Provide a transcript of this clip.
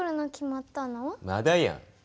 まだやん。